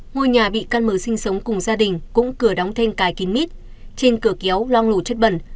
ngôi nhà bị căn mở sinh sống cùng gia đình cũng cửa đóng thanh cài kín mít trên cửa kéo long lổ chất bẩn